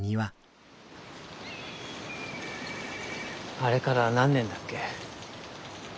あれから何年だっけ？